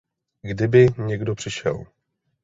Kdyby někdo přišel!